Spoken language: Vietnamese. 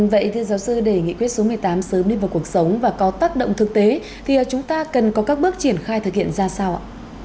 vậy thưa giáo sư để nghị quyết số một mươi tám sớm đi vào cuộc sống và có tác động thực tế thì chúng ta cần có các bước triển khai thực hiện ra sao ạ